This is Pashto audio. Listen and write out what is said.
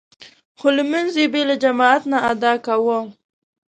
خو لمونځ يې بې له جماعته نه ادا کاوه.